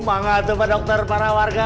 mangat tepat dokter para warga